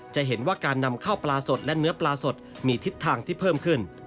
จะเห็นว่าการนำข้าวปลาสดและเนื้อปลาสดมีทิศทางที่เพิ่มขึ้น